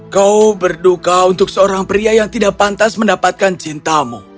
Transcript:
kau berduka untuk seorang pria yang tidak pantas mendapatkan cintamu